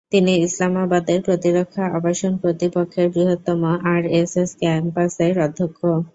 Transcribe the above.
তিনি ইসলামাবাদের প্রতিরক্ষা আবাসন কর্তৃপক্ষের বৃহত্তম আরএসএস ক্যাম্পাসের অধ্যক্ষ।